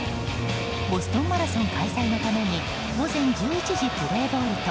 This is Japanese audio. ボストンマラソン開催のために午前１１時プレーボールと